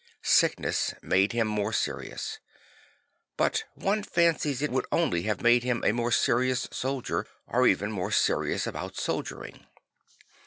Sickness made him more serious; bu t one fancies it would only have made him a more serious soldier, or even more serious about soldiering.